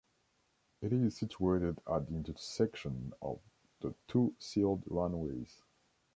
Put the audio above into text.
It is situated at the intersection of the two sealed runways.